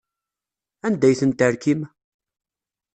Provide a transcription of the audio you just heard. Anda ay ten-terkim?